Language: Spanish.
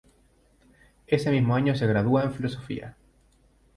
Ese mismo año se gradúa en filosofía.